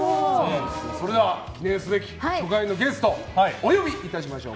それでは記念すべき初回のゲストお呼びいたしましょう。